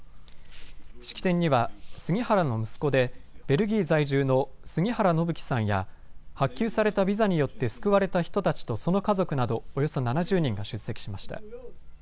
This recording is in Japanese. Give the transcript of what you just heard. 式典には杉原の息子でベルギー在住の杉原伸生さんや発給されたビザによって救われた人たちとその家族などおよそ７０人が出席しました。